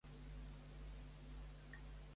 Què va fer amb el capital oferit per Sam Katzman?